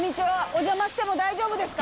お邪魔しても大丈夫ですか？